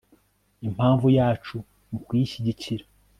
impamvu yacu mu kuyishyigikira